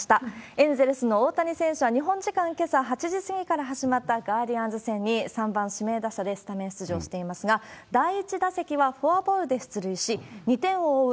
エンゼルスの大谷選手は日本時間けさ８時過ぎから始まったガーディアンズ戦に、３番指名打者でスタメン出場していますが、第１打席はフォアボールで出塁し、２点を追う